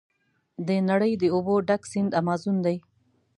د نړۍ د اوبو ډک سیند امازون دی.